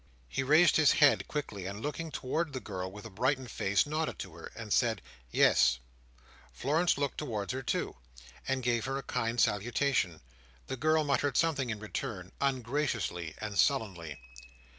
He raised his head quickly, and looking towards the girl with a brightened face, nodded to her, and said "Yes," Florence looked towards her too, and gave her a kind salutation; the girl muttered something in return, ungraciously and sullenly.